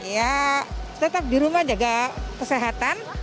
ya tetap di rumah jaga kesehatan